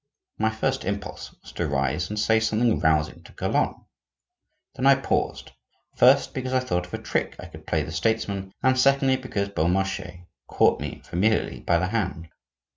My first impulse was to rise and say something rousing to Calonne; then I paused, first, because I thought of a trick I could play the statesman, and secondly, because Beaumarchais caught me familiarly by the hand.